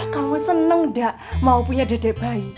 kamu seneng gak mau punya dedek bayi